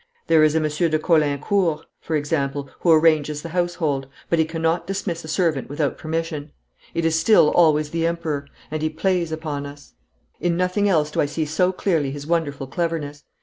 There is a Monsieur de Caulaincourt, for example, who arranges the household; but he cannot dismiss a servant without permission. It is still always the Emperor. And he plays upon us. We must confess, de Meneval, that he plays upon us. In nothing else do I see so clearly his wonderful cleverness.